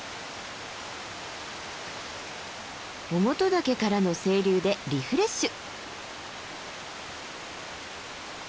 於茂登岳からの清流でリフレッシュ。